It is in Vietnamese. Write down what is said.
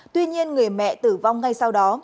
tuy nhiên người mẹ tử vong ngay sau đó